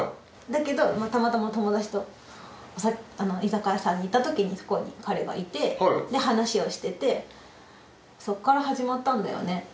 だけどたまたま友達と居酒屋さんに行ったときにそこに彼がいてで話をしててそこから始まったんだよね